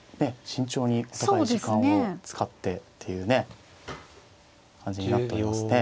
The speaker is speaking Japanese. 慎重にお互いに時間を使ってっていうね感じになっておりますね。